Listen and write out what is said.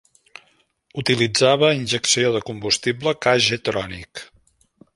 Utilitzava injecció de combustible K-jetronic.